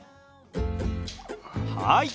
はい！